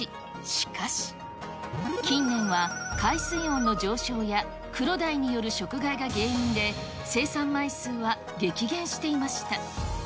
しかし。近年は、海水温の上昇やクロダイによる食害が原因で、生産枚数は激減していました。